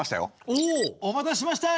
おお！お待たせしました。